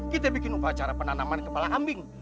kita bikin upacara penanaman kepala ambing